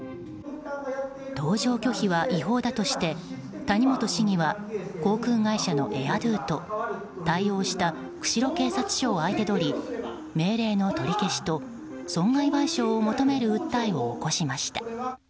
搭乗拒否は違法だとして谷本市議は航空会社のＡＩＲＤＯと対応した釧路警察署を相手取り命令の取り消しと損害賠償を求める訴えを起こしました。